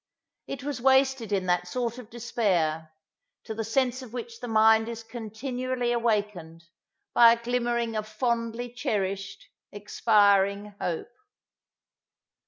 It was wasted in that sort of despair, to the sense of which the mind is continually awakened, by a glimmering of fondly cherished, expiring hope.